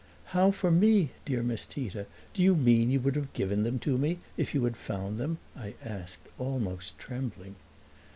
"How for me, dear Miss Tita? Do you mean you would have given them to me if you had found them?" I asked, almost trembling.